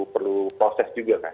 perlu proses juga kan